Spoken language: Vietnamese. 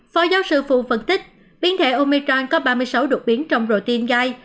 phó giáo sư phụ phân tích biến thể omicron có ba mươi sáu đột biến trong routine gai